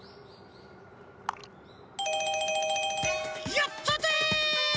やったぜ！